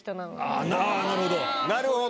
なるほど！